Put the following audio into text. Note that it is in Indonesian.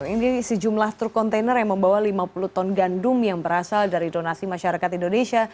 ini sejumlah truk kontainer yang membawa lima puluh ton gandum yang berasal dari donasi masyarakat indonesia